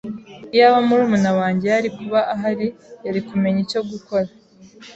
Iyaba murumuna wanjye yari kuba ahari, yari kumenya icyo gukora.